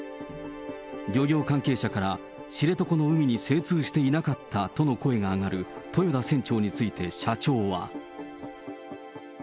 漁業関係者から知床の海に精通していなかったとの声が上がる豊田船長について、社長は。